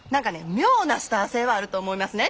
妙なスター性はあると思いますねん